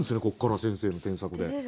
ここから先生の添削で。